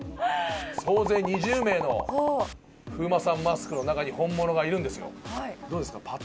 総勢２０名の風磨さんマスクの中に本物がいるんですよ。